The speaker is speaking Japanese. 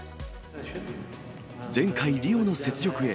前回・リオの雪辱へ。